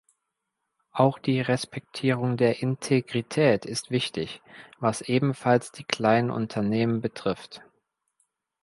Auch die Respektierung der Integrität ist wichtig, was ebenfalls die kleinen Unternehmen betrifft.